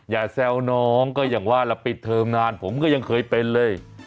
แซวน้องก็อย่างว่าแล้วปิดเทอมนานผมก็ยังเคยเป็นเลย